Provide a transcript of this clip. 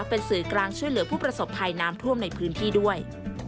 เป็นสื่อกลางช่วยเหลือผู้ประสบภัยน้ำท่วมในพื้นที่ด้วย